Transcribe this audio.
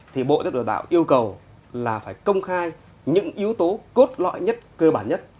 thì bộ giáo dục đào tạo yêu cầu là phải công khai những yếu tố cốt lõi nhất cơ bản nhất